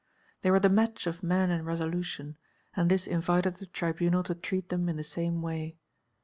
They were the match of men in resolution, and this invited the Tribunal to treat them in the same way.